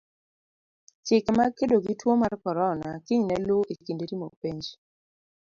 Chike mag kedo gi tuo mar korona kiny ne luu e kinde timo penj.